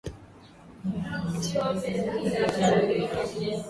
kukua kwa kiswahili Hii ni kwa sababu